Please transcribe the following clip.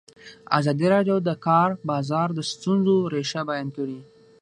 ازادي راډیو د د کار بازار د ستونزو رېښه بیان کړې.